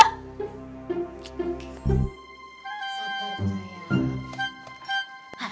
sabar tuh saya